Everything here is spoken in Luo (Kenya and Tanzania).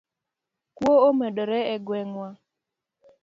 Kuo omedore e gweng' wa